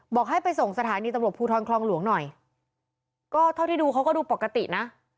บอกให้ไปส่งสถานีตำรวจภูทรคลองหลวงหน่อยก็เท่าที่ดูเขาก็ดูปกตินะ